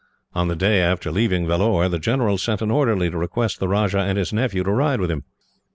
On the day after leaving Vellore, the general sent an orderly to request the Rajah and his nephew to ride with him.